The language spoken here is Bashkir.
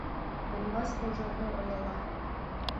Ҡунғас, хужаһы ояла.